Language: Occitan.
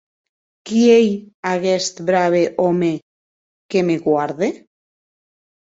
Qui ei aguest brave òme que me guarde?